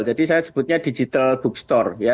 jadi saya sebutnya digital bookstore